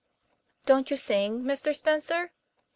"Don't you sing, Mr. Spencer?"